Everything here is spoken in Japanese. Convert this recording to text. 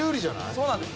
そうなんです。